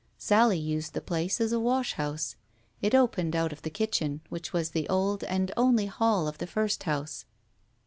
Sally used the place as a wash house; it opened out of her kitchen, which was the old and only hall of the first house.